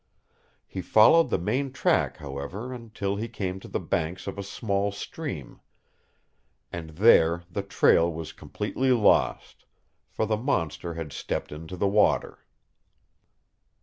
He followed the main track, however, until he came to the banks of a small stream, and there the trail was completely lost, for the monster had stepped into the water.